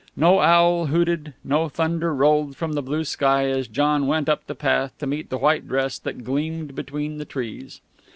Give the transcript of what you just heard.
No owl hooted, no thunder rolled from the blue sky as John went up the path to meet the white dress that gleamed between the trees.